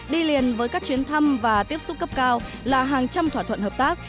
đi liền với các chuyến thăm và tiếp xúc cấp cao là hàng trăm thỏa thuận hợp tác